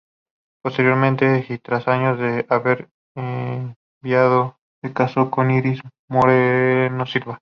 Posteriormente y tras años de haber enviudado, se casó con Iris Moreno Silva.